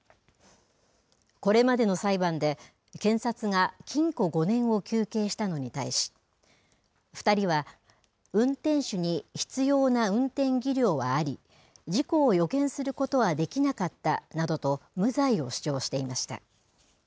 これまでの裁判で検察が禁錮５年を求刑したのに対し２人は運転手に必要な運転技量はあり事故を予見することはできなかったなどと無罪を主張していました。